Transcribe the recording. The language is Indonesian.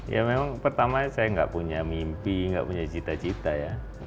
ya memang pertama saya nggak punya mimpi nggak punya cita cita ya